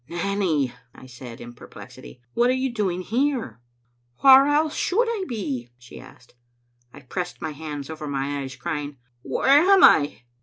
"Nanny," I said, in perplexity, "what are you doing here?" " Whaur else should I be?" she asked. I pressed my hands over my eyes, crying, "Where am I?"